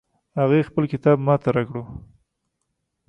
هغې خپل کتاب ما ته راکړ